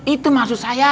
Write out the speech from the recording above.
itu maksud saya